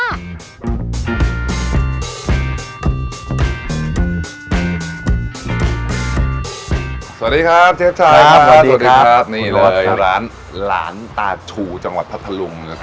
สวัสดีครับเชฟชายครับสวัสดีครับนี่เลยร้านหลานตาชูจังหวัดพัทธลุงนะครับ